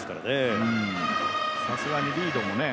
さすがにリードもね。